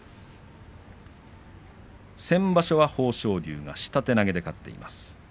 先場所は豊昇龍が下手投げで勝っています。